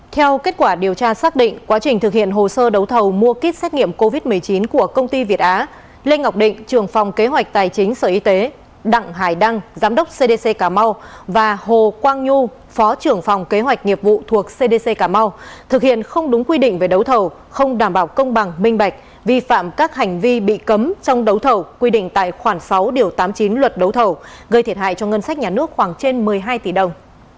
theo kết quả điều tra xác định quá trình thực hiện hồ sơ đấu thầu mua kit xét nghiệm covid một mươi chín của công ty việt á lê ngọc định trưởng phòng kế hoạch tài chính sở y tế đặng hải đăng giám đốc cdc cà mau và hồ quang nhu phó trưởng phòng kế hoạch nghiệp vụ thuộc cdc cà mau thực hiện không đúng quy định về đấu thầu không đảm bảo công bằng minh bạch vi phạm các hành vi bị cấm trong đấu thầu quy định tại khoảng sáu tám mươi chín luật đấu thầu gây thiệt hại cho ngân sách nhà nước khoảng trên một mươi hai tỷ đồng